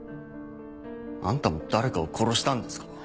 あんたも誰かを殺したんですか？